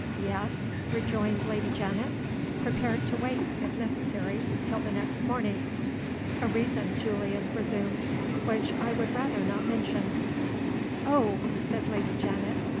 "Yes?" rejoined Lady Janet, prepared to wait (if necessary) till the next morning. "A reason," Julian resumed, "which I would rather not mention." "Oh!" said Lady Janet.